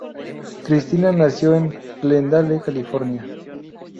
Christian nació en Glendale, California.